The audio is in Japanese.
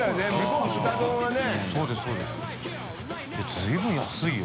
随分安いよ